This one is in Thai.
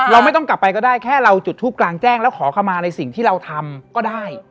ไม่ต้องกลับไปก็ได้แค่เราจุดทูปกลางแจ้งแล้วขอเข้ามาในสิ่งที่เราทำก็ได้